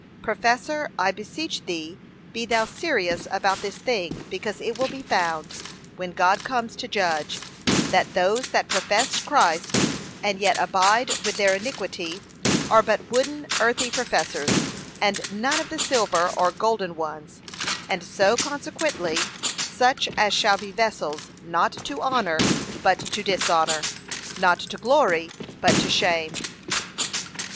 Professor, I beseech thee be thou serious about this thing because it will be found, when God comes to judge, that those that profess Christ, and yet abide with their iniquity, are but wooden, earthy professors, and none of the silver or golden ones: and so, consequently, such as shall be vessels, not to honour, but to dishonour; not to glory, but to shame.